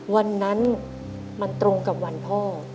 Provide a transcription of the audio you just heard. วันนั้นมันตรงกับวันพ่อ